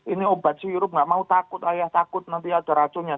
ini obat sirup nggak mau takut ayah takut nanti ada racunnya